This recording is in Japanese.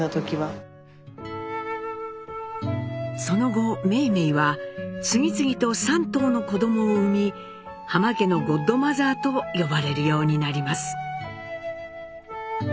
その後梅梅は次々と３頭の子どもを産み「浜家のゴッドマザー」と呼ばれるようになります。